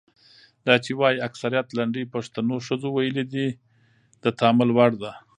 دا چې وايي اکثریت لنډۍ پښتنو ښځو ویلي د تامل وړ ده.